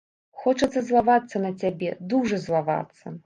Хочацца злавацца на цябе, дужа злавацца.